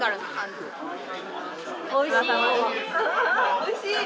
おいしい！